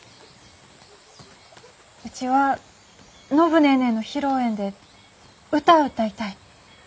うちは暢ネーネーの披露宴で唄を歌いたい。